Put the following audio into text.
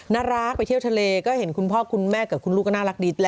น่ารักไปเที่ยวทะเลก็เห็นคุณพ่อคุณแม่กับคุณลูกก็น่ารักดี